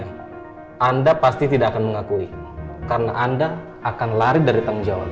anda pasti tidak akan mengakui karena anda akan lari dari tanggung jawab